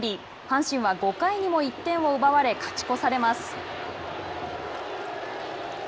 阪神は５回にも１点を奪われ勝ち越されます。